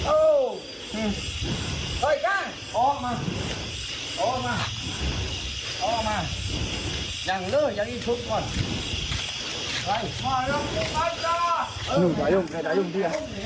ออกมาเร็วออกมาแล้วที่นี่สู่หาตำรวจเหรอ